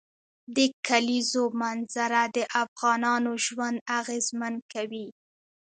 د کلیزو منظره د افغانانو ژوند اغېزمن کوي.